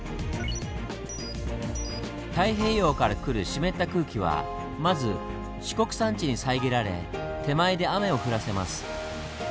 太平洋から来る湿った空気はまず四国山地に遮られ手前で雨を降らせます。